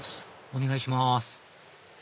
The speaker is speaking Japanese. お願いします